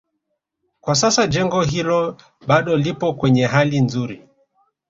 Kwa sasa jengo hilo bado lipo kwenye hali nzuri